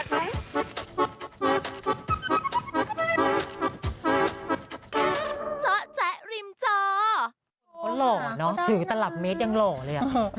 เขาหล่อเนอะสื่อตลาดเมตรยังหล่อเลยอ่ะใช่